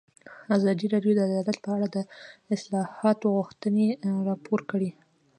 ازادي راډیو د عدالت په اړه د اصلاحاتو غوښتنې راپور کړې.